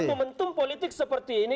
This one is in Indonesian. di dalam momentum politik seperti ini